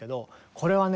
これはね